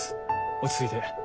落ち着いて。